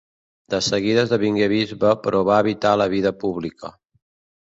De seguida esdevingué bisbe però va evitar la vida pública.